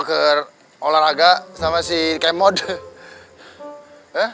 abah ke olahraga sama si kmode